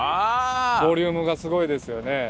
ボリュームがすごいですよね。